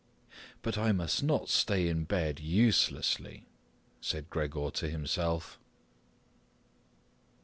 "But I must not stay in bed uselessly," said Gregor to himself.